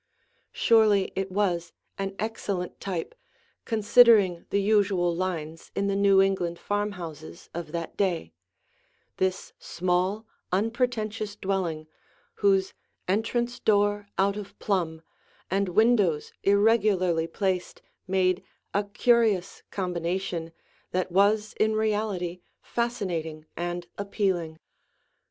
Surely it was an excellent type, considering the usual lines in the New England farmhouses of that day, this small, unpretentious dwelling, whose entrance door out of plumb and windows irregularly placed made a curious combination that was in reality fascinating and appealing.